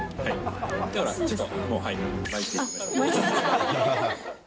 だから、ちょっともう、はい、巻いていきましょう。